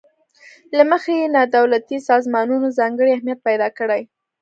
له مخې یې نا دولتي سازمانونو ځانګړی اهمیت پیداکړی.